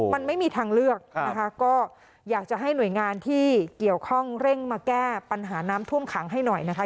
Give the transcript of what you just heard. มันไม่มีทางเลือกนะคะก็อยากจะให้หน่วยงานที่เกี่ยวข้องเร่งมาแก้ปัญหาน้ำท่วมขังให้หน่อยนะคะ